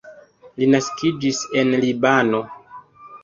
Li naskiĝis en Libano.